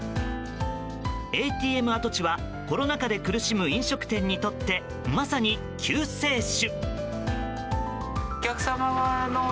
ＡＴＭ跡地はコロナ禍で苦しむ飲食店にとってまさに救世主。